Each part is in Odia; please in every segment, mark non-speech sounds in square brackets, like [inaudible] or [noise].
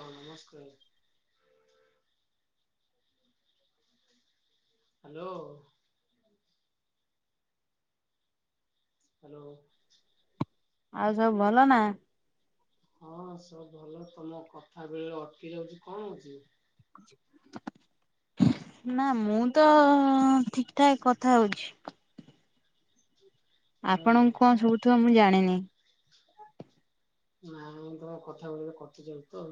ହଁ ନମସ୍କାର୍। ହାଲୋ। ହାଲୋ। ଆଉ ସବୁ ଭଲ ନା? ହଁ ସବୁ ଭଲ ତମ କଥା ବେଳେ ଅଟକି ଯାଉଛି କଣ ହଉଛି? [inaudible] ନା ମୁଁ ତ ଠିକ୍ ଠାକ୍ କଥା ହଉଛି। ହୁଁ ଆପଣଙ୍କୁ କଣ ଶୁବୁଥିବ ମୁଁ ଜାଣିନି। ନାଇଁ ତମ କଥା ଗୁଡିକ କଟି ଯାଉଚି ତ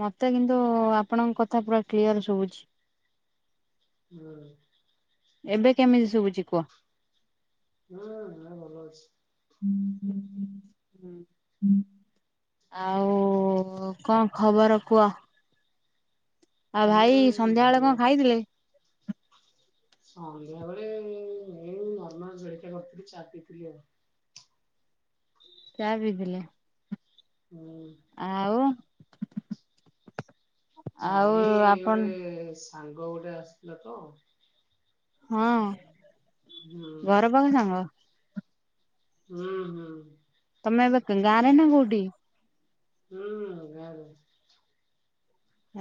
ମତେ କିନ୍ତୁ ଆପଣଙ୍କ କଥା ପୁରା କ୍ଲିଅର ଶୁଭୁଛି। ହୁଁ। ଏବେ କେମିତି ଶୁଭୁଛି କୁହ? ହଁ-ହଁ ଭଲ ଅଛି। ହୁଁ ଆଉ କଣ ଖବର କୁହ? ଆଉ ଭାଇ ହୁଁ ସନ୍ଧ୍ୟା ଏଳେ ଭଲ କଁ ଖାଇଥିଲେ? ସନ୍ଧ୍ୟା ବେଳେ ଏଇ ନର୍ମାଲ ଜଳିଖିଆ କରିଥିଲି, ଚା ପିଇଥିଲି ଆଉ। ଚା ପିଇଥିଲେ ହୁଁ ଆଉ ଆଉ ନାଇ ଏ ଆପଣ ଗୋଟେ ସାଙ୍ଗ ଗୋଟେ ଆସିଥିଲା ତ ହଁ ହୁଁ ଘର ପାଖ ସାଙ୍ଗ? ହୁଁ ହୁଁ। ନାଇ ଏବେ ଗାଁରେ ନା କଉଠି? ହୁଁ ଗାଁ ରେ।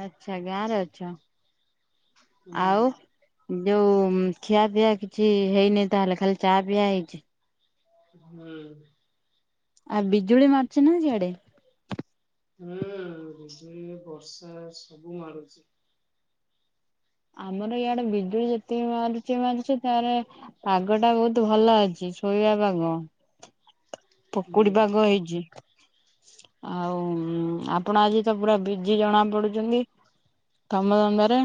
ଆଚ୍ଛା ଗାଁ ରେ ଅଛ? ହୁଁ। ଆଉ ଯୋଉ ଖିଆ ପିଆ କିଛି ହେଇନି ତାହେଲେ ଖାଲି ଚା ପିଆ ହେଇଚି। ହୁଁ। ଆ ବିଜୁଳି ମାରୁଚି ନା ସିଆଡେ? ହୁଁ ବିଜୁଳି ବର୍ଷା ସବୁ ମାରୁୁଚି। ଆମର ଇଆଡେ ବିଜୁଳି ଯେତିକି ମାରୁଚି ମାରୁଚି ତାର ପାଗ ଟା ବହୁତ ବହୁତ ଭଲ ଅଛି ଶୋଇବା ପାଗ। ପକୁଡି ହୁଁ ପାଗ ହେଇଚି। ଆଉ ଆପଣ ଆଜି ତ ପୁରା ବିଜି ଜଣା ପଡୁଚନ୍ତି? କାମ ଦନ୍ଦାରେ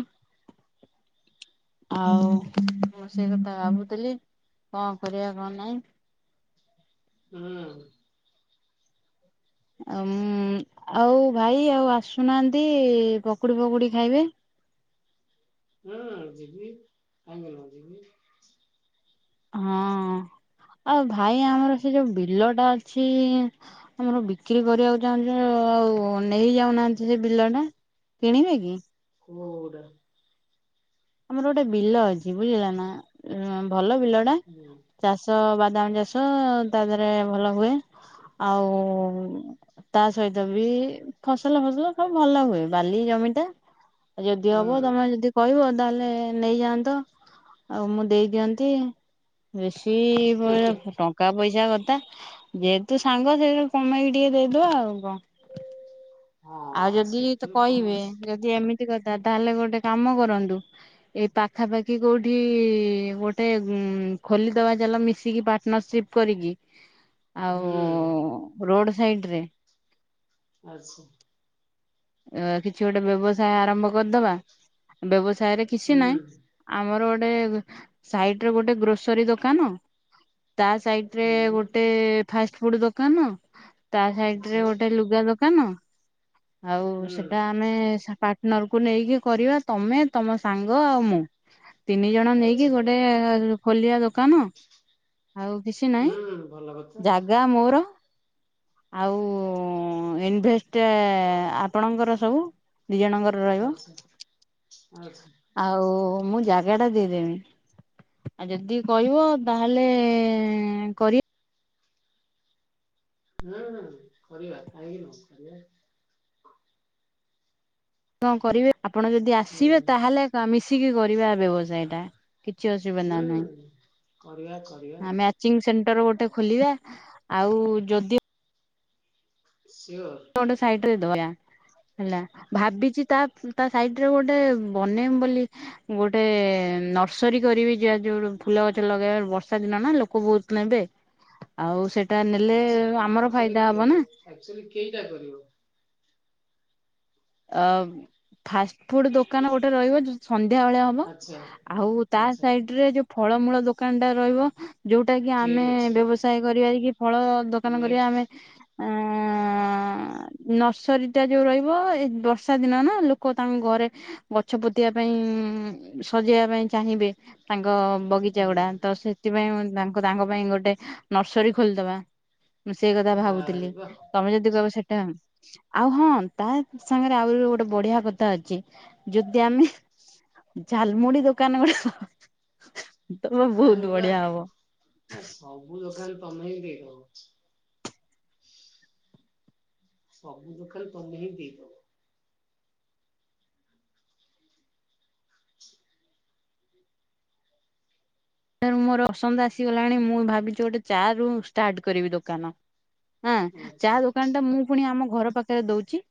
ଆଉ ମୁଁ ସେ କଥା ଭାବୁଥିଲି କଁ କରିବା କଁ ନାହିଁ। [inaudible] ହୁଁ। ଆ ଉଁ ଆଉ ଭାଇ ଆଉ ଆସୁନାହାନ୍ତି ପକୁଡି ପକୁଡି ଖାଇବେ। ହୁଁ ଯିବି [unintelligible] ଯିବି। ହଁ। ଆଉ ଭାଇ ଆମର ସେ ଯୋଉ ବିଲ ଟା ଅଛି ଆମର ବିକ୍ରି କରିବାକୁ ଚାହୁଁଚୁ। ଆଉ ନେଇ ଯାଉନାହାନ୍ତି ସେ ବିଲ ଟା କିଣିବେ କି? କୋଉଟା? ଆମର ଗୋଟେ ବିଲ ଅଛି, ବୁଝିଲ ନା ଭଲ ବିଲ ଟା ହୁଁ ଚାଷ ବା ଦାମ ଚାଷ ତା ଦେରେ ଭଲ ହୁଏ ଆଉ ତା ସହିତ ବି ଫସଲ ଫସଲ ସବ୍ ଭଲ ହୁଏ ବାଲି ଜମିଟା ଆଉ ଯଦି ହଁ। ହବ ତମେ ଯଦି କହିବ ତାହେଲେ ନେଇଯାଆନ୍ତ ଆଉ ମୁଁ ଦେଇଦିଅନ୍ତି ବେଶ କି ଭଳିଆ ଟଙ୍କା ପଇସା କ ତା ଯେହେତୁ ସାଙ୍ଗ ସେଠୁ କମେଇକି ଟିକେ ଦେଇଦବା ଆଉ କଣ। ଆଉ ହଁ ଯଦି ତ ସେଥିରୁ କଣ କହିବେ ଯଦି ଏମିତି କଥା ତାହେଲେ ଗୋଟେ କାମ କରନ୍ତୁ ଏଇ ପାଖାପାଖି କୋଉଠି ଗୋଟେ ଉ ଖୋଲିଦବା ଚାଲ ମିଶିକି ପାର୍ଟନରସିପ କରିକି। ଆଉ ରୋଡ ସାଇଡ ରେ। ଆଚ୍ଛା। ଅ କିଛି ଗୋଟେ ବ୍ୟବସାୟ ଆରମ୍ଭ କରିଦବା ବ୍ୟବସା ୟ ରେ କିଛି ହୁଁ ନହିଁ ଆମର ଗ ଏ ସାଇଟର ଗୋଟେ ଗ୍ରୋସରୀ ଦୋକାନ। ତା ସାଇଡରେ ହୁଁ ଗୋଟେ ଫାଷ୍ଟ ଫୁଡ ଦୋକାନ ତା ସାଇଡରେ ଆଚ୍ଛା ଗୋଟେ ଲୁଗା ଦୋ କାନ ଆଉ ହୁଁ ସେଟା ଆମେ ର୍ଟନରକୁ ନେଇକି କରିବା ତମେ ତମ ସାଙ୍ଗ ଆଉ ମୁଁ। ତିନି ଜଣ ନେଇକି ଆଚ୍ଛା ଗୋଟେ ଆ ଖୋଲିବା ଦୋକାନ। ଆଉ କିଛି ନାହିଁ ହୁଁ ଭଲ କଥା ଜାଗା ମୋର। ଆଉ ଇନଭେଷ୍ଟ ଆପଣଙ୍କର ସବୁ। ଦିଇ ଜଣଙ୍କର ରହିବ। ଆଚ୍ଛା ଆଚ୍ଛା ଆଉ ମୁଁ ଜାଗା ଟା ଦେଇଦେବି। ଆଉ ଯଦି କହିବ ତାହେଲେ କରି ହୁଁ କରିବା କାହିଁକି ନ କରିବା। କଣ କରିବେ ଆପଣ ଯଦି ହୁଁ ଆସିବେ ତାହେଲେ ମିଶିକି କରିବା ବ୍ୟବସାୟ ଟା। କିଛି ଅସୁବିନା ହୁଁ। କରିବା କରିବା ନାହିଁ ଆମାଚିଙ୍ଗ ସେଣ୍ଟର ଗୋଟେ ଖୋଲିବା ଆଉ ଯଦି ସିଓର [unintelligible] [inaudible] ହେଲା ଭାବିଛି ତା ତା ସାଇଟ୍ ରେ ଗୋଟେ ବନମ ବୋଲି ଗୋଟେ ନର୍ସରୀ କରିବି ଯାହା ଯୋଉ ଫୁଲ ଗଛ ଲଗେଇବା ବର୍ଷା ଦିନ ନା ଲୋକ ବହୁତ ନେବେ। ଆଉ ସେ ଆଚ ଅକ୍ଚୂଆଲି କେ ଆକ୍ଚୁଆଲି କେଇଟା କରିବ? ଅ ଫାଷ୍ଟ ଫୁଡ଼ ଦୋକାନ ଗୋଟେ ରହିବ ସନ୍ଧ୍ୟା ନ୍ଧ୍ୟା ବେଳେ ହବ ଆଚ୍ଛା ଆଉ ତା ଆଚ୍ଛା ସାଇଟ୍ ରେ ଯୋଉ ଫଳମୂଳ ଦୋକାନ ଟା ରହିବ। ଯୋଉଟା କି ଠିକ୍ ଆମେ ଅଛି ବ୍ୟବସାୟ କରିବାକି ଫଳ ଦୋକାନ କରିବା ନେକ୍ସଟ୍ ଆମେ ଆ ଆ ନର୍ସରୀ ଟା ଯୋଉ ରହିବ। ବର୍ଷା ଦିନ ନା ଲୋକ ତାଙ୍କ ଘରେ ଗଛ ପୋତିବା ପାଇଁ ସଜେଇବା ପାଇଁ ଚାହିଁବେ। ତାଙ୍କ ତାଙ୍କ ବଗିଚା ଗୁଡ଼ା ହୁଁ ତ ସେଥିପାଇଁ ତାଙ୍କ ତାଙ୍କ ପାଇଁ ଗୋଟେ ନର୍ସରୀ ଖୋଲିଦବା। ମୁଁ ସେଇ କଥା ଭାବୁଥିଲି ଆରେ ବାଃ ତମେ ଯଦି କହିବ ସେଟା ଆଉ ହଁ ତା ସାଙ୍ଗରେ ଆହୁରି ଗୋଟେ ବଢ଼ିଆ କଥା ଅଛି ଯଦି ଆମେ ଝାଲମୁଢ଼ି ଦୋକାନ ଗୋଟେ ଆରେ ବା ସବୁ ଦୋକାନ ତମେ [unintelligible] ହଁ। ସବୁ [unintelligible] ତମେ ହିଁ ପିଇଦବ। ସାର ମୋର ଅସନ୍ଦ ଆସିଗଲାଣି ମୁଁ ଭାବିଛି ଗୋଟେ ଚାର ରୁ ଷ୍ଟାର୍ଟ କରିବି ଦୋକାନ। ହଁ ଚା ଆଚ୍ଛା ଦୋକାନ ଟା ମୁଁ ପୁଣି ଆମ ଘର ପାଖ ରେ ଦଉଛି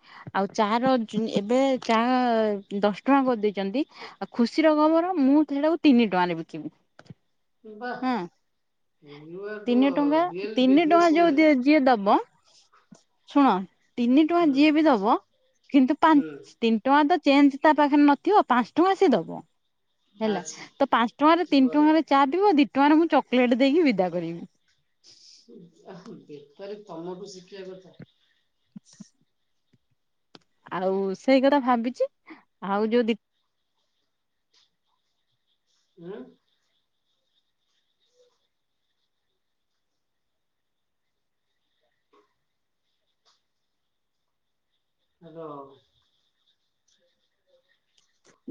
ଆଉ ଚା ର ଏବେ ଚା ଦଶ ଟଙ୍କା କରିଦେଇଛନ୍ତି। ଖୁସି ର ଖବର ମୁଁ ଥେଟାକୁ ତିନି ଟଙ୍କାରେ ବିକିବି। ବାହ ହଁ ତିନି ଟଙ୍କା ତିନି ବିଜନେସ୍ ଟଙ୍କା ଯୋଉ ଓମେନ୍ ଯିଏ ଯିଏ ଦବ। ଶୁଣ ତିନି ଟଙ୍କା ହୁଁ ଯିଏ ବି ଦବ କିନ୍ତୁ ହୁଁ ପଞ୍ଚ ତିନି ଟଙ୍କା ତ ଚେଞ୍ଜ ତା ପାଖରେ ନଥିବ ପାଞ୍ଚ ଟଙ୍କା ସିଏ ଦବ ହେଲା ଆଚ୍ଛା। ତ ପାଞ୍ଚ ଟଙ୍କାରେ ତିନି ବଢିଆ ଟଙ୍କାରେ ଚା ପିବ ଦି ଟଙ୍କାରେ ମୁଁ ଚକୋଲେଟ ଦେଇକି ବିଦା କରିବି। ଆ ବେପାରୀ ତମଠୁ ଶିଖିବା କଥା। [inaudible] ଆଉ ସେଇ କଥା ଭାବିଛି ଆଉ ଯୋଉ ଦି [unintelligible] ହୋଲୋ।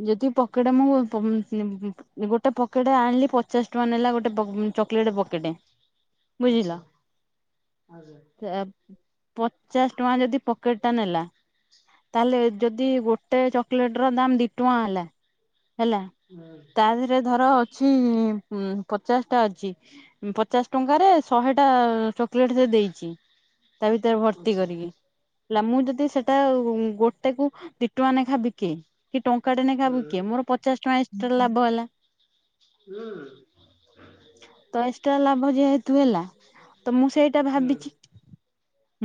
ଯଦି ପକେଟେ ମୁଁ ଗୋଟେ ପକେଟେ ଆଣିଲି ପଚାଶ ଟଙ୍କା ନେଲା ଗୋଟେ ପ ଚକଲେଟ୍ ପକେଟେ ବୁଝିଲ। ଆଚ୍ଛା ଆଚ୍ଛା ପଚାଶ ଟଙ୍କା ଯଦି ପକେଟ ଟା ନେଲା ତାହେଲେ ଯଦି ଗୋଟେ ଚକଲେଟ ର ଦାମ ଦି ଟଙ୍କା ହେଲା। ହେଲା ହୁଁ ତା ଦେହେରେ ଧର ଅଛି। ହୁଁ ପଚାଶ ଟା ଅଛି ପଚାଶ ଟଙ୍କାରେ ଶହେ ଟା ଚକୋଲେଟ ସେ ଦେଇଛି। ତା ଭିତରେ ଭର୍ତ୍ତି ଆଚ୍ଛା କରିକି। ହେଲା ମୁଁ ଯଦି ସେଟା ଗୋଟେ କୁ ଦି ଟଙ୍କା ନେଖା ବିକେ। କାଟେ ନାଖା ହୁଁ ବିକେ ମୋର ପଚାଶ ଟଙ୍କା ଏଥିରେ ଲାଭ ହେଲା। ହୁଁ। ତ ଏକ୍ସଟ୍ରା ଲାଭ ଯେହେତୁ ହେଲା। ତ ମୁଁ ସେଇଟା ହୁଁ ଭାବିଛି।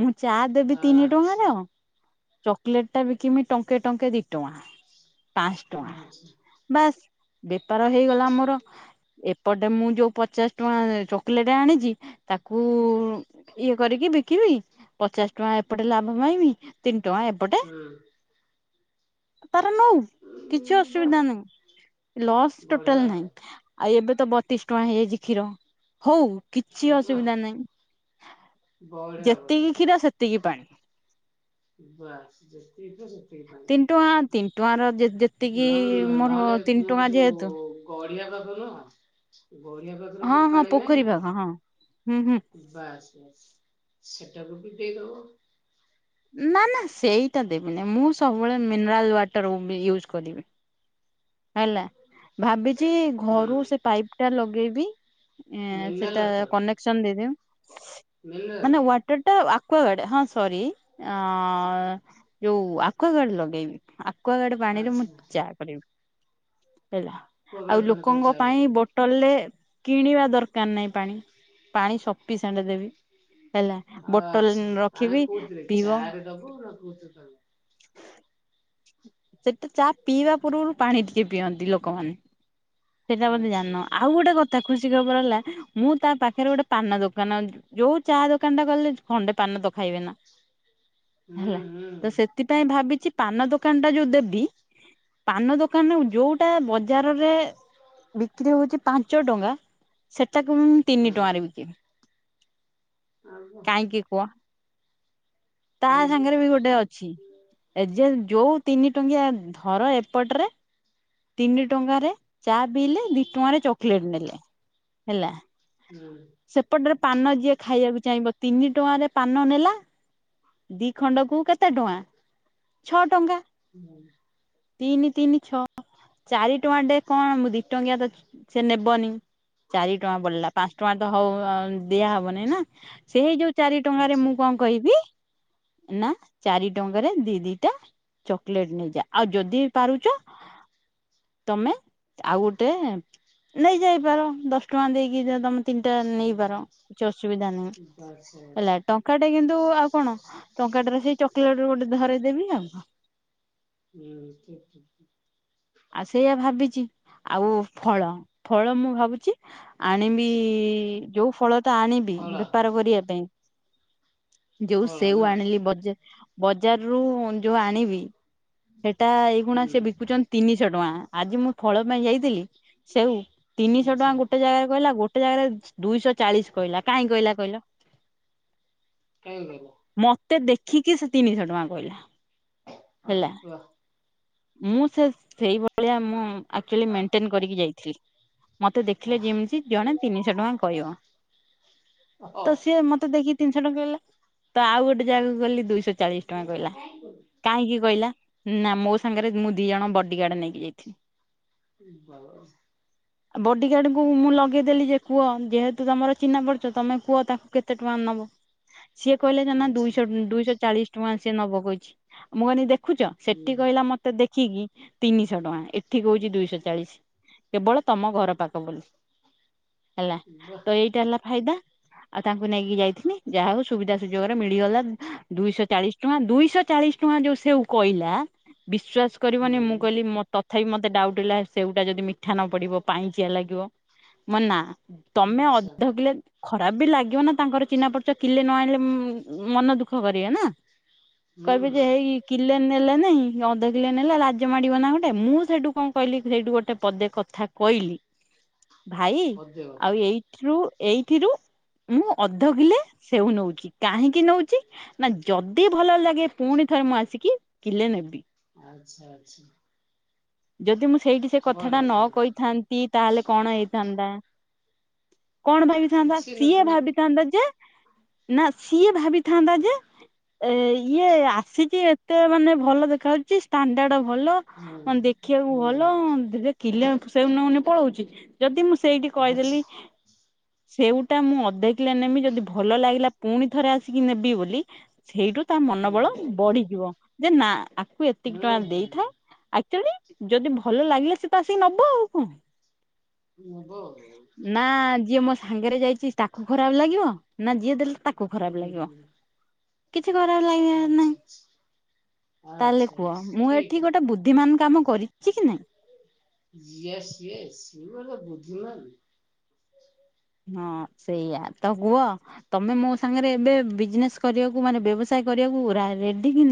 ମୁଁ ଚା ଦେବି ତିନି ଆଚ୍ଛା ଟଙ୍କାର ଚକଲେଟ ଟା ବିକମି ଟଙ୍କେ ଟଙ୍କେ ଦି ଟଙ୍କା ପାଞ୍ଚ ଟଙ୍କା ଆଚ୍ଛା ବାସ ବେପାର ହେଇଗଲା ମୋର ଏପଟେ ମୁଁ ଯୋଉ ପଚାଶ ଟଙ୍କା ଚକୋଲେଟ ଆଣିଛି ତାକୁ ଇଏ କରିକି ବିକିବି ପଚାଶ ଟଙ୍କା ଏପଟେ ଲାଭ ପାଇମି ତିନି ଟଙ୍କା ଏପଟେ ହୁଁ କିଛି ଉଁ ବାଃ ଅସୁବିଧା ନ ଲସ୍ ବଢିଆ ଟୋଟାଲ ଆଉ। ନାହିଁ ଆଉ ଏବେ ତ ବତିଶ ଟଙ୍କା ହେଇଯାଇଛି କ୍ଷୀର ହଉ କିଛି ବାଃ ଅସୁବିଧା ନାହିଁ ବଢିଆ ବଢିଆ ଯେତିକି କ୍ଷୀର ସେତିକି ପାଣି। ବାସ୍ ଜତି ସେ ତିନି ଟଙ୍କା ତିନି ଟଙ୍କ ର ଯେତିକି ନ ମୋର ତିନି ଟଙ୍କା ଯେହେତୁ ଗରିଆ ଗଛ ନୁହ ଗରିଆ ଗଛର ହଁ ଯୋଉଁ ହଁ ପାଣି ନାହିଁ ପୋଖରୀ ନା ପାଖ ହଁ ହୁଁ ହୁଁ ବସ୍ ବସ୍ ସେଟାକୁ ବିି ଦେଇ ଦବ ନା ନା ସେଇଟା ଦେବିିନି ମୁଁ ସବୁବେଳେ ମିନେରାଲ ୱାଟର ୟୁଜ୍ କରିବି ହେଲା ଭାବିଛି ଯ ହୁଁ ଘରୁ ସେ ପାଇପ୍ ଟା ଲଗେଇବି ଏ ମିନେରାଲ ସେଟା ୱାଟର କନେକ୍ସନ ଦେଇଦେବି ମିନେରାଲ ମାନେ ୱାଟର ଟା ଆକ୍ ଗାର୍ଡ ହଁ ସରି ଯୋଉ ଆକ୍ଆ ଗାର୍ଡ ଲଗେଇବି ଆକ୍ଵାଗାର୍ଡ ପାଣିି ରେ ମୁଁ ଆଚ୍ଛା ଚାହା କରିବି। ହେଲା ଆକ୍ୱାଗାର୍ଡ ଆଉ ପାଣି ତମେ ଲୋକଙ୍କ ଚା ପାଇଁ କରିବ ବୋଟଲ ରେ କିଣିବା ଦରକାର ନାହିଁ ପାଣି। ପାଣି ସପିସେଣ୍ଟ ଦେବି। ହେଲା ଆଁ ବୋଟଲ ପାଣି ରଖିବି କୋଉଥିରେ ପିଇବ ଚା ରେ ଦେବୁ ନାଁ କୋଉଥିରେ ହ ସେଟା ଚା ପିଇବା ପୂର୍ବରୁ ପାଣି ଟିକେ ପିଅନ୍ତି ଲୋକମାନେ। ସେଇଟା ବୋଧେ ଆଚ୍ଛା ଜାଣିନ ଆଚ୍ଛା ଆଉ ଗୋଟେ କଥା ଖୁସି ଖବର ହେଲା ମୁଁ ତା ପାଖରେ ଗୋଟେ ପାନ ଦୋକ ଦୋକାନ ଯୋଉଁ ଚା ଦୋକାନ ଟା ଗଲେ ଖଣ୍ଡେ ପାନ ତ ଖାଇବେ ନା ହୁଁ ହେଲା ହୁଁ ତ ସେଥିପାଇଁ ଭାବିଛି ପାନ ଦୋକାନ ଟା ଯୋଉ ଦେବି ପାନ ଦୋକାନରେ ଯୋଉଟା ବଜାରରେ ବିକ୍ରି ହଉଛି ପାଞ୍ଚ ଟଙ୍କା ସେଟାକୁ ମୁ ମୁଁ ତିନି ହୁଁ ଟଙ୍କାରେ ବିକିବି। ଆଉ କଣ କାହିଁକି କୁହ? ତା କାହିଁକି ସାଙ୍ଗରେ ବି ଗୋଟେ ଅଛି ଏ ଯେ ଯୋଉଁ ତିନି ଟଙ୍କିଆ ଧର ଏପଟରେ ତିନି ଟଙ୍କାରେ ଚା ପିଇଲେ ଦି ଟଙ୍କାରେ ଚକୋଲେଟ ନେଲେ ହେଲା। ହୁଁ। ସେପଟରେ ପାନ ଯିଏ ଖାଇବାକୁ ଚାହିଁବ ତିନି ଟଙ୍କାରେ ପାନ ନେଲା। ଦି ଖଣ୍ଡ କୁ କେତେ ଟଙ୍କା ଛଅ ଟଙ୍କା। ହୁଁ। ତିନି ତିନି ଛଅ ଚାରି ଟଙ୍କା ଟେ କଣ ଦି ଟଙ୍କିଆ ତ ସେ ନେବନି। ଚାରି ଟଙ୍କା ପଡିଲା ପାଞ୍ଚ ଟଙ୍କା ତ ହଉ ଦିଆ ହବନାଇ ନା ସେଇ ଯୋଉ। ଚାରି ଟଙ୍କାରେ ଆଚ୍ଛା ମୁଁ କଣ କହିବି ନା ଚାରି ଟଙ୍କାରେ ଦି ଦିଟା। ଚକୋଲେଟ ନେଇଯା ଆଉ ଯଦି ପାରୁଛ। ତମେ ଆଉ ଗୋଟେ ନେଇ ଯାଇପାର ଦଶ ଟଙ୍କା ଦେଇକି ଯ ତମେ। ତିନିଟା ହୁଁ ନେଇପାର କିଛି ଅସୁବିଧା ନାହିଁ ଆଚ୍ଛା ଆଚ୍ଛା ହେଲା ଟଙ୍କା ଟା କିନ୍ତୁ ଆଉ କଣ। ଟଙ୍କାଟରେ ସେଇ ଚକୋଲେଟ ଗୋଟେ ଧରାଇଦେବି ଆଉ। ହୁଁ ଠିକ୍ ଠିକ୍। ଆଉ ସେଇଆ ଭାବିଚି। ଆଉ ଫଳ ଫଳ ମୁଁ ଭାବୁଛି ଆଣିବି। ଯୋଉଁ ଫଳ ଟା ଆଣିବି ହଳ ବେପାର କରିବା ପାଇଁ ଯୋଉଁ ହଳ ସେଉ ନା ଆଣିଲି ବଜ ବଜାରରୁ ଯୋଉ ଆଣିବି ସେଟା ହୁଁ ଏଇଖୁଣା ସେ ବିକୁଚି ତିନିଶହ ଟଙ୍କା ଆଜି ମୁଁ ଫଳ ପାଇଁ ଯାଇଥିଲି ସେଉ ତିନିଶହ ଟଙ୍କା ଆଚ୍ଛା ଗୋଟେ ଜାଗାରେ କହିଲା ଗୋ ଗୋଟେ ଜାଗାରେ ଦୁଇଶହ ଚାଳିଶ କହିଲା କାହିଁକି କହିଲା କହିଲ? କାହିଁ ଗଲ ମତେ ଦେଖିକି ସେ ତିନିଶହ ଟଙ୍କା କହିଲା। ହେଲା। ବା ମୁଁ ସେ ସେଇଭଳିଆ ମୁଁ ଆକ୍ଟୁଲେ ମେଣ୍ଟେନ କରିକି ଯାଇଥିଲି। ମତେ ଅ ଦେଖିଲେ ଯେମିତି ଜଣେ ତିନିଶହ ଟଙ୍କା କହିବ ଆଚ୍ଛା ତ ସିଏ ମତେ ଦେଖି ତିନିଶହ ଟଙ୍କା କହିଲା ତ ଆଉ ଗୋଟେ ଜାଗାକୁ ଗଲି ଦୁଇଶହ ଚାଳିଶି ଟଙ୍କା କହିଲା ହୁଁ କାହିଁକି କହିଲା? ନା ମୋ ସାଙ୍ଗରେ ମୁଁ ଦି ଜଣ ବଡିଗାର୍ଡ ନେଇକି ଯାଇଥିଲି। [unintelligible] ଆଉ ବଡିଗାର୍ଡଙ୍କୁ ମୁଁ ଲଗେଇଦେଲି ଯେ କୁହ ଯେହେତୁ ତମର ଚିହ୍ନା ପରିଚୟ ତମେ କୁହ ତାଙ୍କୁ କେତେ ଟଙ୍କା ନେବ। ସିଏ କହିଲେ ଯେ ନା ଆଚ୍ଛା ଦୁଇଶ ଦୁଇଶହ ଚାଳିଶି ଟଙ୍କା ସିଏ ନବ କହିଛି ଆ ମୁଁ କହିଲି ଦେଖ ଦେଖୁଛ ହୁଁ ସେଠି କହିଲା ମତେ ଦେଖିକି ତିନିଶହ ଟଙ୍କା ଏଠି କହୁଛି ଦୁଇଶହ ଚାଳିଶି। କେବଳ ତମ ଘର ପାଖ ବୋଲି ହେଲା ତ ଏଇଟା ହେଲା ଫାଇଦା। ଆଉ ତାଙ୍କୁ ନେଇକି ଯାଇଥିନି ଯାହା ହଉ ସୁବିଧା ସୁଯୋଗରେ ମିଳିଗଲା ଅଁ ଦୁଇଶହ ଚାଳିଶି ଟଙ୍କା ଦୁଇଶହ ଚା ଚାଳିଶ ଟଙ୍କା ଯୋଉ ସେଉ କହିଲା ବିଶ୍ଵାସ କରିବନି ମୁଁ କହିଲି ମ ତ ତଥାପି ମୋତେ ଡାଉଟ ହେଲା ସେଉଟା ଯଦି ମିଠା ନ ପଡିବ ପାଁଣିଚିଆ ଲାଗିବ ମୁଁ କହିଲି ନା ତମେ ଅଧ କିଲେ ଖରାପ ବି ଲାଗିବ ନା ତାଙ୍କର ଚିହ୍ନା ପରିଚୟ କିଲେ ନ ଆଣଲେ ମୁଁ ମନ ଦୁଃଖ କରିବେ ନା କହିବେ ହୁଁ ଯେ ହେଇ କିଲେ ନେଲେ ନାଇଁ। ଅଧ କିଲୋ ନେଲା ଲାଜ ମାଡ଼ିବ ନା ଗୋଟେ ମୁଁ ସେଠୁ କଣ କହିଲି ସେଇଠୁ ଗୋଟେ ପଦେ କଥା କହିଲି ଭାଇ ପଦେ ଆଉ କଥା ଏଇଥିରୁ ଏଇଥିରୁ‌ ମୁଁ ଅଧ କିଲେ ସେଉ ନଉଛି କାହିଁକି ନଉଛି ନା ଯଦି ଭଲ ଲାଗେ ପୁଣି ଥରେ ମୁଁ ଆସିକି କିଲେ ନେବି। ଆଚ୍ଛା ଆଚ୍ଛା। ଯଦି ମୁଁ ସେଇଠି ସେ କଥାଟା ବଢିଆ ନ ବଢିଆ କହିଥାନ୍ତି ତାହେଲେ କଣ ହେଇ ଥାନ୍ତା କଣ ଭାବିଥାନ୍ତା କିଛି ସିଏ ନଥାନ୍ତା ଭାବିଥାନ୍ତା ଯେ ନା ସିଏ ଭାବିଥାନ୍ତା ଯେ ଏ ଇଏ ଆସିଛି ଏତେ ମାନେ ଭଲ ଦେଖା ହାଉଚି ଚି ସାଣ୍ଡାର୍ଡ ଭଲ ହୁଁ ମାନ ଦେଖିବାକୁ ହୁଁ ଭଲ ଯଦି କିଲେ ସେଉ ନଉନି ପଳଉଚି ଯଦି ମୁଁ ସେଇଠି ଆଚ୍ଛା କହିଦେଲି ସେଉଟା ମୁଁ ଅଧେ କିଲେ ନେମି ଯଦି ଭଲ ଲାଗିଲା ପୁଣି ଥରେ ଆସିକି ନେବି ବୋଲି, ସେଇଠୁ ତା ମନୋବଳ ହୁଁ ବଢିଯିବ ଯେ ନା ଆକୁ ଏତିକି ହୁଁ ଟଙ୍କା ହୁଁ ଦେଇଥାଏ ଆକ୍ଚୁଲି ଯଦି ଭଲ ଲାଗିଲା ସେ ତ ଆସିକି ନବ ଆଉ କଣ। ନବ ଆଉ ହୁଁ ନା ଯିଏ ମୋ ସା ସାଙ୍ଗରେ ଯାଇଛି ତାକୁ ଖରାପ ଲାଗିବ ନା ଯିଏ ଦେଲେ ତାକୁ ଖରାପ ଉଁ ଲାଗିବ ହୁଁ। କିଛି ଖରାପ ଲାଗିବାର ନାଇଁ ଆଚ୍ଛା ଆଚ୍ଛା ତାହେଲେ ଆଚ୍ଛା ଆଚ୍ଛା କୁହ ମୁଁ ଏଠି ଗୋଟେ ବୁଦ୍ଧିମାନ କାମ କରିଛି କି ନାଇଁ? ଇଏସ୍ ଇଏସ୍ ୟୁଅର ଦ ବୁଦ୍ଧିମାନ ହଁ ସେଇଆ ତ କୁହ ତମେ ମୋ ସାଙ୍ଗରେ ଏବେ ବିଜନେସ୍ କରିବାକୁ ମାନେ ବ୍ୟବସାୟ କରିବା କରିବାକୁ ରା ରେଡି କିନା